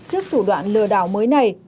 trước thủ đoạn lừa đảo mới này